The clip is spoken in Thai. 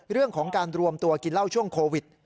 เรื่องของการรวมตัวกินเหล้าช่วงโควิด